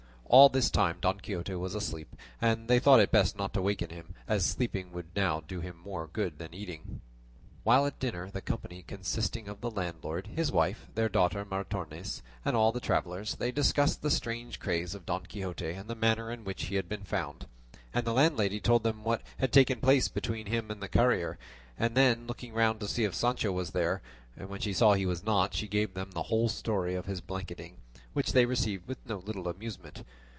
All this time Don Quixote was asleep, and they thought it best not to waken him, as sleeping would now do him more good than eating. While at dinner, the company consisting of the landlord, his wife, their daughter, Maritornes, and all the travellers, they discussed the strange craze of Don Quixote and the manner in which he had been found; and the landlady told them what had taken place between him and the carrier; and then, looking round to see if Sancho was there, when she saw he was not, she gave them the whole story of his blanketing, which they received with no little amusement.